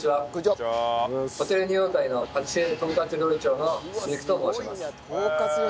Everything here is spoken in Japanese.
ホテルニューオータニのパティシエ統括料理長の鈴木と申します。